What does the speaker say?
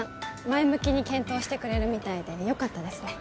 前向きに検討してくれるみたいでよかったですね